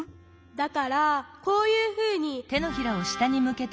だからこういうふうに。